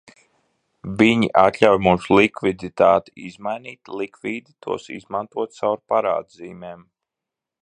Viņi atļauj mums likviditāti izmainīt, likvīdi tos izmantot caur parādzīmēm.